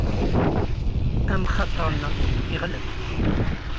Amxaṭer-nneɣ iɣellet.